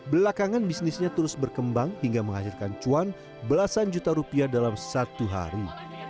belakangan bisnisnya terus berkembang hingga menghasilkan cuan belasan juta rupiah dalam satu hari